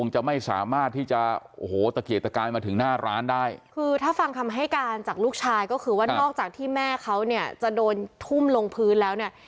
จากลูกชายก็คือว่านอกจากที่แม่เขาเนี่ยจะโดนทุ่มลงพื้นแล้วเนี่ย